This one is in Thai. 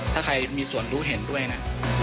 ถ้าใครมีส่วนรู้เห็นด้วยนะ